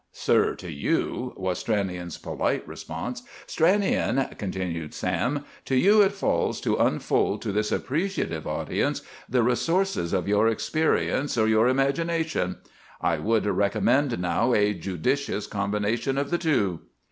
—"Sir, to you!" was Stranion's polite response. "Stranion," continued Sam, "to you it falls to unfold to this appreciative audience the resources of your experience or your imagination. I would recommend, now, a judicious combination of the two."